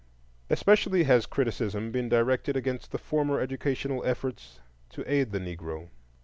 Especially has criticism been directed against the former educational efforts to aid the Negro.